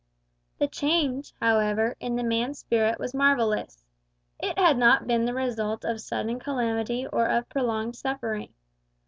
The change, however, in the man's spirit was marvellous. It had not been the result of sudden calamity or of prolonged suffering.